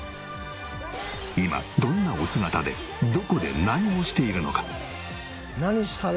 今どんなお姿でどこで何をしているのか？